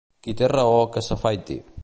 Qui té raó que s'afaiti.